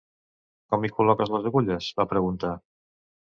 "Com hi col·loques les agulles?", va preguntar.